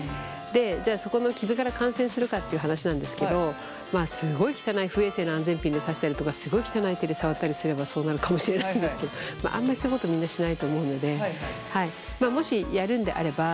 じゃあそこの傷から感染するかっていう話なんですけどまあすごい汚い不衛生な安全ピンで刺したりとかすごい汚い手で触ったりすればそうなるかもしれないんですけどあんまりそういうことみんなしないと思うので。